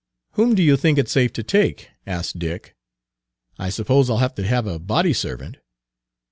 "Whom do you think it safe to take?" asked Dick. "I suppose I'll have to have a body servant."